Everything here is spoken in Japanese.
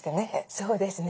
そうですね。